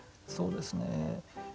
そうですねえ。